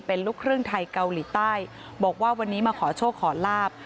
เป็นลูกครึ่งไทยเกาหลีใต้บอกว่าวันนี้มาขอโชคขอลาบ